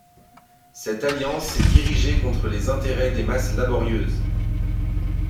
Cette alliance est dirigée contre les intérêts des masses laborieuses.